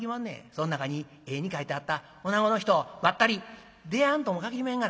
そん中に絵に描いてあったおなごの人ばったり出会わんとも限りまへんがな。